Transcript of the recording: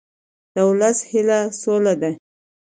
د ولس هیله سوله ده